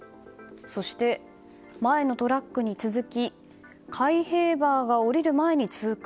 そして、前のトラックに続き開閉バーが下りる前に通過。